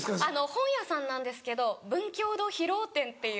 本屋さんなんですけど文教堂広尾店っていう。